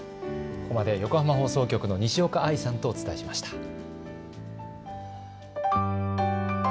ここまで横浜放送局の西岡愛さんとお伝えしました。